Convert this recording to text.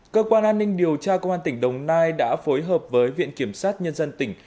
cơ quan an ninh điều tra công an tỉnh đồng nai đã phối hợp với viện kiểm sát nhân dân tỉnh